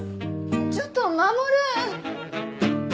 ちょっと守！